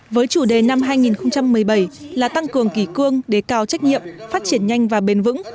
với chủ đề năm hai nghìn một mươi bảy là tăng cường kỳ cương đề cao trách nhiệm phát triển nhanh và bền vững